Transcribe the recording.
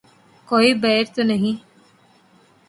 کوئی بیر تو نہیں